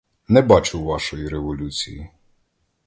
Не бачу вашої революції!